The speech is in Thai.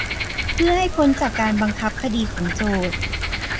เพื่อให้พ้นจากการบังคับคดีของโจทก์